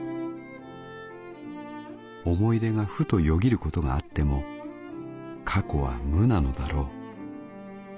想い出がふとよぎる事があっても過去は無なのだろう。